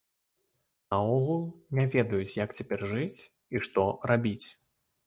Наогул, не ведаюць, як цяпер жыць і што рабіць.